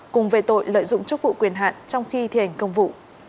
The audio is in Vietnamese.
cùng về tội lợi dụng chức vụ quyền hạn trong khi thi hành công vụ